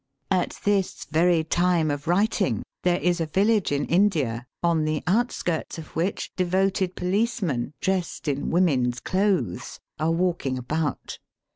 At this very time of writing, there is a village in India on the outskirts of which devoted policemen, dressed in women's clothes, are walking about.